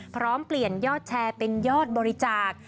พร้อมเปลี่ยนยอดแชร์เป็นยอดบริจาค